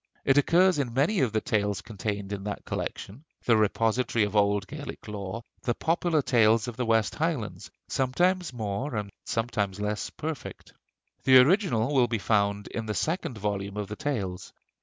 It occurs in many of the tales contained in that collection, the repository of old Gaelic lore, the 'Popular Tales of the West Highlands,' sometimes more and sometimes less perfect. The original will be found in the second volume of the Tales....